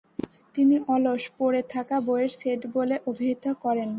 তিনি 'অলস পড়ে থাকা বইয়ের সেট' বলে অভিহিত করেন।